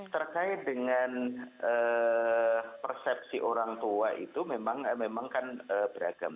terkait dengan persepsi orang tua itu memang kan beragam